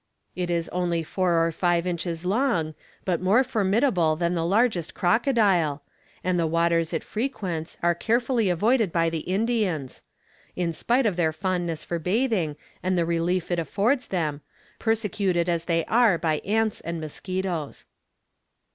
It is only four or five inches long, but more formidable than the largest crocodile, and the waters it frequents are carefully avoided by the Indians, in spite of their fondness for bathing, and the relief it affords them, persecuted as they are by ants and mosquitoes.